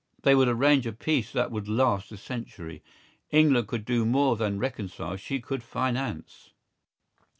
They would arrange a peace that would last a century. England could do more than reconcile; she could finance.